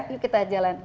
yuk kita jalan